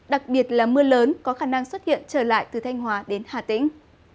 đặc biệt là mưa lớn có khả năng xuất hiện trở lại từ thanh hóa đến hà tĩnh